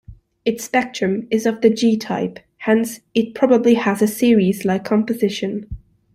Its spectrum is of the G type; hence it probably has a Ceres-like composition.